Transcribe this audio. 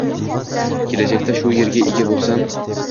Kelajakda shu yerga ega bo‘lsam